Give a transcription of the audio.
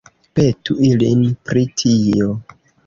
Petu ilin pri tio.